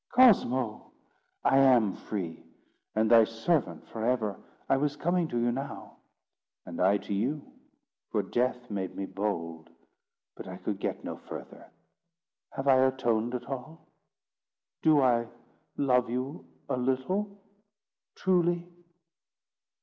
"Cosmo!—I am free—and thy servant for ever. I was coming to you now." "And I to you, for Death made me bold; but I could get no further. Have I atoned at all? Do I love you a little—truly?"